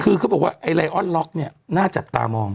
คือเขาบอกว่าไอ้ไลออนล็อกเนี่ยน่าจับตามอง